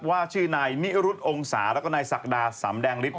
ชื่อนายนิรุธองศาแล้วก็นายศักดาสำแดงฤทธ